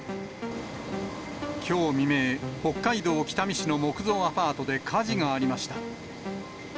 きょう未明、北海道北見市の木造アパートで火事がありました。